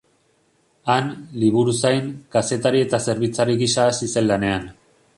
Han, liburuzain, kazetari eta zerbitzari gisa hasi zen lanean.